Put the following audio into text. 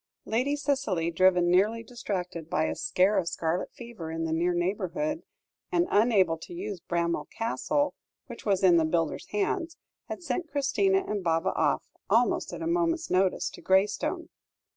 Lady Cicely, driven nearly distracted by a scare of scarlet fever in the near neighbourhood, and unable to use Bramwell Castle, which was in the builder's hands, had sent Christina and Baba off, almost at a moment's notice, to Graystone.